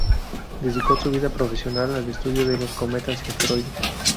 Dedicó su vida profesional al estudio de los cometas y asteroides.